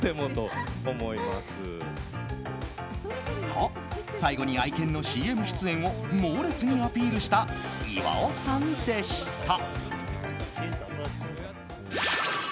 と、最後に愛犬のＣＭ出演を猛烈にアピールした岩尾さんでした。